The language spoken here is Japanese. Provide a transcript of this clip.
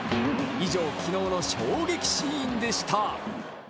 以上、昨日の衝撃シーンでした。